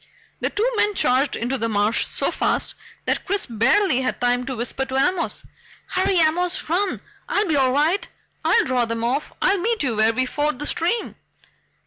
The two men charged into the marsh so fast that Chris barely had time to whisper to Amos: "Hurry Amos run! I'll be all right. I'll draw them off! I'll meet you where we ford the stream!"